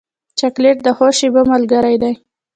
چاکلېټ د ښو شېبو ملګری دی.